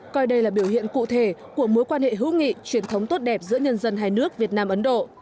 coi đây là biểu hiện cụ thể của mối quan hệ hữu nghị truyền thống tốt đẹp giữa nhân dân hai nước việt nam ấn độ